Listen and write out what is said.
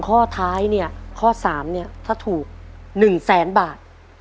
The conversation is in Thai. ข้อท้ายเนี่ยข้อ๓เนี่ยถ้าถูก๑แสนบาท